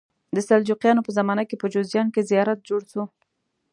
د سلجوقیانو په زمانه کې په جوزجان کې زیارت جوړ شو.